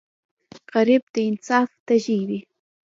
غریب د انصاف تږی وي